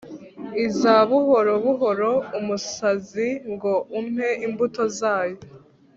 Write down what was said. iza buhoro buhoro umusazi ngo umpe imbuto zayo